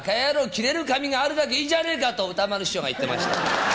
切れる髪があるだけいいんじゃねえかと、歌丸師匠が言ってました。